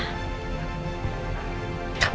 kamu gak salah